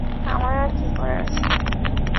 আমার আর কী করার আছে?